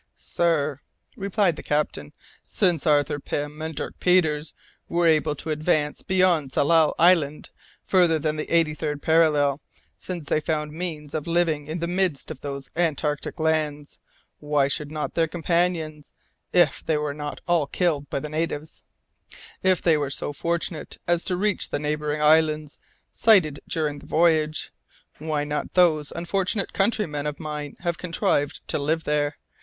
"Sir," replied the captain, "since Arthur Pym and Dirk Peters were able to advance beyond Tsalal Island farther than the eighty third parallel, since they found means of living in the midst of those Antarctic lands, why should not their companions, if they were not all killed by the natives, if they were so fortunate as to reach the neighbouring islands sighted during the voyage why should not those unfortunate countrymen of mine have contrived to live there?